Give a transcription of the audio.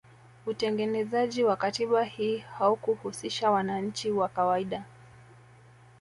Utengenezaji wa katiba hii haukuhusisha wananchi wa kawaida